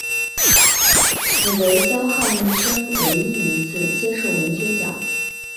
此为萧沆一生唯一一次接受文学奖。